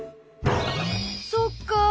そっか。